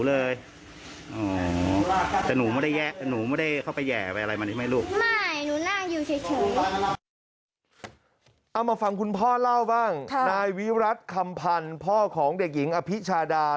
เอามาฟังคุณพ่อเล่าบ้างนายวิรัติคำพันธ์พ่อของเด็กหญิงอภิชาดา